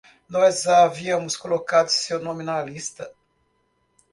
Nós havíamos colocado seu nome na lista.